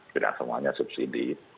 tidak semuanya subsidi